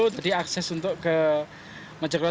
tadi akses untuk ke mojokerto